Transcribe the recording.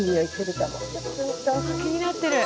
気になってる。